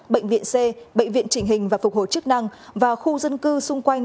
bệnh viện c bệnh viện trình hình và phục hồi chức năng và khu dân cư xung quanh